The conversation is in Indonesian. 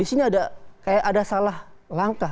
ini adalah kayak ada salah langkah